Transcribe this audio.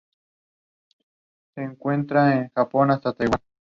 Sus predicciones fueron hechas por el uso de cajas de arena para gatos.